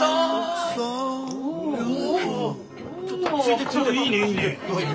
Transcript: いいねいいね！